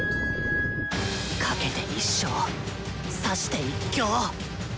賭けて一生指して一興。